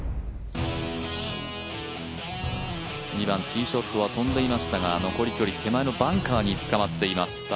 ２番、ティーショットは飛んでいましたが残り距離、手前のバンカーに捕まっています